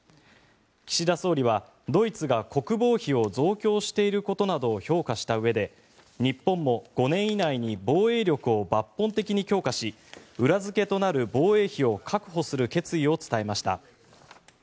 岸田総理はドイツが国防費を増強していることなどを評価したうえで日本も５年以内に防衛力を抜本的に強化し裏付けとなる防衛費を確保する決意を伝えました。